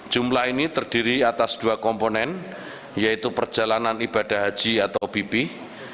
jumlah ini terdiri atas dua komponen yaitu perjalanan ibadah haji atau obp